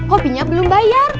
uangnya belum bayar